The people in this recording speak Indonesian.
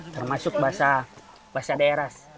termasuk bahasa daerah